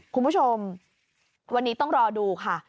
คุณผู้ชมวันนี้ต้องรอดูค่ะ